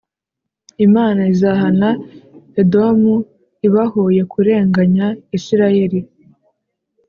Imana izahana Edomu ibahoye kurenganya Isirayeli